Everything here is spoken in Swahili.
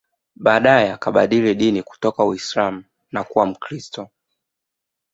Baadae akabadili dini kutoka Uislam na kuwa Mkristo